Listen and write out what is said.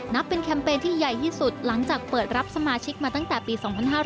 นับเป็นแคมเปญที่ใหญ่ที่สุดหลังจากเปิดรับสมาชิกมาตั้งแต่ปี๒๕๕๙